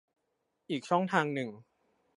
อีกช่องทางหนึ่ง